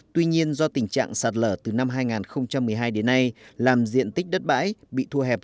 tuy nhiên do tình trạng sạt lở từ năm hai nghìn một mươi hai đến nay làm diện tích đất bãi bị thua hẹp